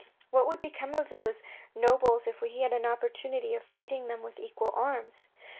What would become of those nobles if we had an opportunity of fighting them with equal arms.